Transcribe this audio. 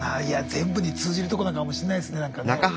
いや全部に通じるとこなのかもしれないですねなんかね。